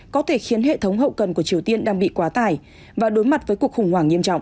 có thể khiến hệ thống hậu cần của triều tiên đang bị quá tải và đối mặt với cuộc khủng hoảng nghiêm trọng